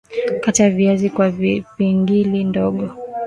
Kata viazi kwa vipingili ndogo